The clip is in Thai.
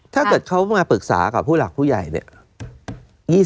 ถ้าเกิดเขามาปรึกษากับผู้หลักผู้ใหญ่เนี่ย